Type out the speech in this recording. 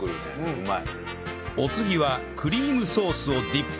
うまい！